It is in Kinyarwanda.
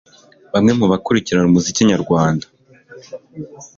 Bamwe mu bakurikirana umuziki nyarwanda